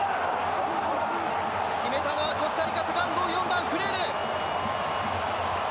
決めたのはコスタリカ背番号４番フレル。